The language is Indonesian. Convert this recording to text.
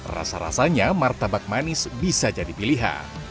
rasa rasanya martabak manis bisa jadi pilihan